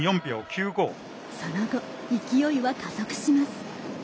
その後、勢いは加速します。